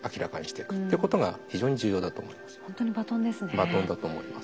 バトンだと思います。